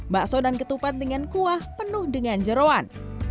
bakso dan ketupat dengan kuah penuh dengan jeruan